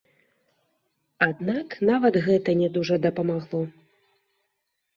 Аднак нават гэта не дужа дапамагло.